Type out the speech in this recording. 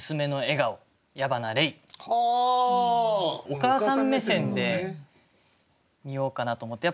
お母さん目線で見ようかなと思って。